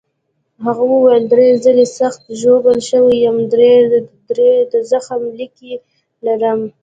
هغه وویل: درې ځلي سخت ژوبل شوی یم، درې د زخم لیکې لرم.